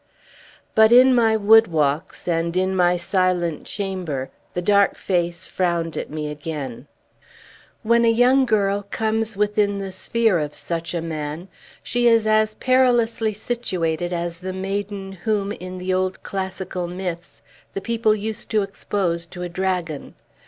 But in my wood walks, and in my silent chamber, the dark face frowned at me again. When a young girl comes within the sphere of such a man, she is as perilously situated as the maiden whom, in the old classical myths, the people used to expose to a dragon.